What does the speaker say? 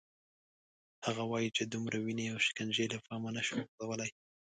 هغه وايي چې دومره وینې او شکنجې له پامه نه شو غورځولای.